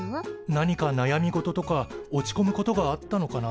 なにかなやみ事とか落ちこむことがあったのかなあ？